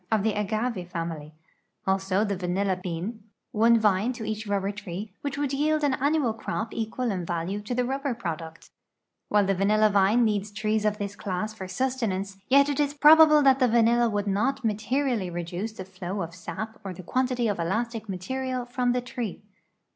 of the agave family ; also, the vanilla bean, one vine to each ru])ber tree, which would yii'ld an annual crop equal in value to the rubl)er product, ^\'hile the vanilla vine needs trees of this class for sustenance, yet it is ])robable that the vanilla would not materially reduce the flow of sap or the quantity of elastic material from the tree.